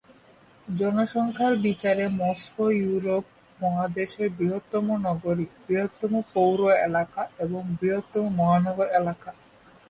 জনসংখ্যার বিচারে Moscow Europe মহাদেশের বৃহত্তম নগরী, বৃহত্তম পৌর এলাকা, এবং বৃহত্তম মহানগর এলাকা।